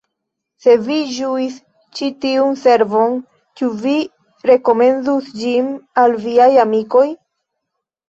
"Se vi ĝuis ĉi tiun servon ĉu vi rekomendus ĝin al viaj amikoj!